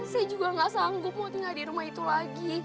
saya juga gak sanggup mau tinggal di rumah itu lagi